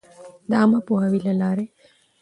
د عــامه پـوهــاوي لـه لارې٫